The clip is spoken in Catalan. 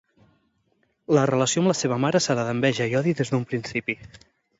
La relació amb la seva mare serà d'enveja i odi des d'un principi.